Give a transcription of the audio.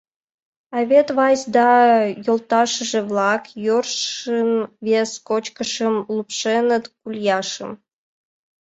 А вет «Вайс да йолташыже-влак» йӧршын вес кочкышым лупшеныт — гуляшым.